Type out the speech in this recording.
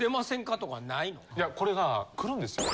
いやこれが来るんですよ。